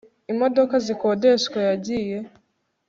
imodoka zikodeshwa yagiye